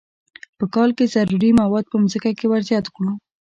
په کال کې ضروري مواد په ځمکه کې ور زیات کړو.